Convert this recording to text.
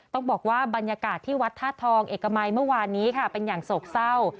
ต้องบอกว่าบรรยากาศที่วัดธาตุทองเอกมัยเมื่อวานนี้ค่ะเป็นอย่างโศกเศร้า